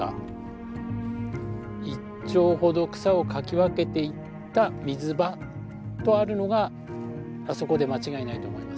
「一町ほど草をかき分けて行った水場」とあるのがあそこで間違いないと思います。